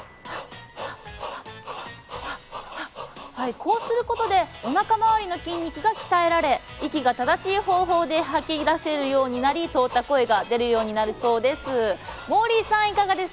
こうすることでおなか回りの筋肉が鍛えられ、息が正しい方法で吐き出せるようになり通った声が出るようになるそうです。